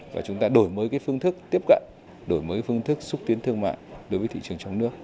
và chúng ta đổi mới phương thức tiếp cận đổi mới phương thức xúc tiến thương mại đối với thị trường trong nước